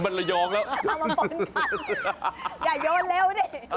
มันเรยองแล้ว